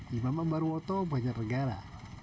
di mambarwoto banyak negara